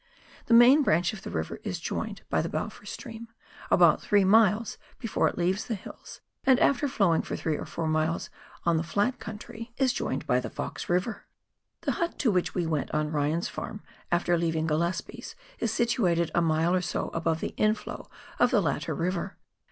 The main branch of the river is joined by the Balfour stream, about three miles before It leaves the hills, and after flowing for three or four miles on the flat country is joined by the Fox River. The hut to which we went on Ryan's farm, after leaving Gillespies, is situated a mile or so above the inflow of the latter river.